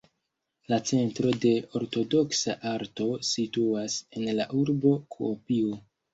La Centro de Ortodoksa Arto situas en la urbo Kuopio.